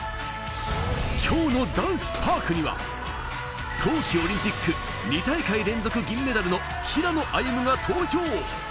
今日の男子パークには、冬季オリンピック２大会連続銀メダルの平野歩夢が登場。